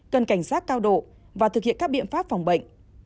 cần cảnh giác cao độ và thực hiện các biện pháp phòng bệnh